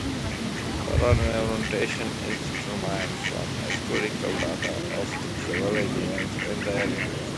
Runway orientation is determined from historical data of the prevailing winds in the area.